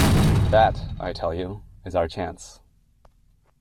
That, I tell you, is our chance.